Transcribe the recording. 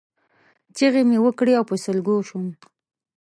چغې مې وکړې او په سلګیو شوم.